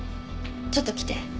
ちょっと来て。